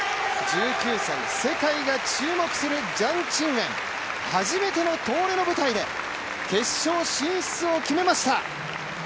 １９歳、世界が注目するジャン・チンウェン、初めての東レの舞台で決勝進出を決めました。